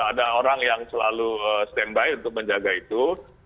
ada orang yang selalu standby untuk menjaga itu